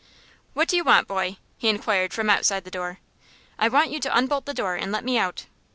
"What do you want, boy?" he inquired from outside the door. "I want you to unbolt the door and let me out."